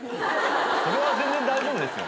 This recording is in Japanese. それは全然大丈夫ですよ。